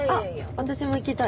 私も行きたい。